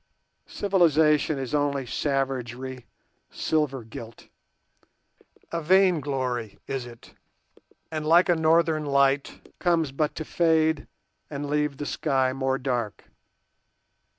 Civilization is only savagery silver gilt. A vainglory is it, and like a northern light, comes but to fade and leave the sky more dark.